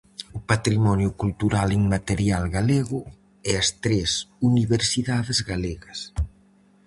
O Patrimonio Cultural Inmaterial galego e as tres universidades galegas.